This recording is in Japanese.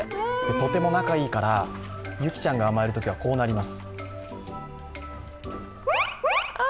とても仲いいから、ユキちゃんが甘えるときはこうなります。